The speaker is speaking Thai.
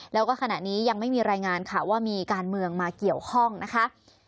แล้วก็ขณะนี้ยังไม่มีรายงานข่าวว่ามีการเมืองมาเกี่ยวข้องนะคะ